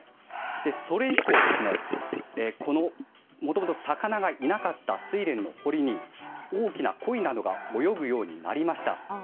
それ以降、もともと魚がいなかったスイレンの堀に大きなコイなどが泳ぐようになりました。